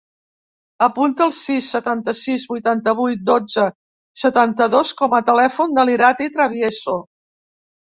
Apunta el sis, setanta-sis, vuitanta-vuit, dotze, setanta-dos com a telèfon de l'Irati Travieso.